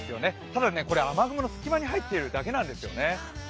ただこれ雨雲の狭間に入っているだけなんですよね。